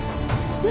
何？